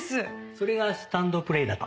それがスタンドプレーだと。